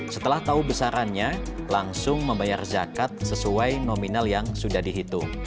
setelah tahu besarannya langsung membayar zakat sesuai nominal yang sudah dihitung